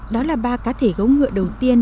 đó là ba cá thể gấu ngựa đầu tiên